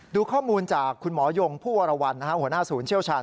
ดูข้อมูลจากคุณหมอยงผู้วรวรรณหัวหน้าศูนย์เชี่ยวชาญ